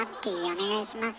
お願いします。